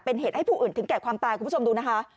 เป็นเหตุให้ผู้อื่นถึงแก่ความตายคุณผู้ชมดูนะคะ